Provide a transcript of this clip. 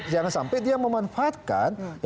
jangan sampai dia memanfaatkan